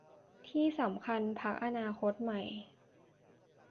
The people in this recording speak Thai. ที่สำคัญพรรคอนาคตใหม่